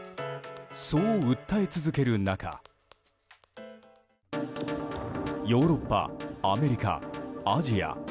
そう訴え続ける中ヨーロッパ、アメリカ、アジア。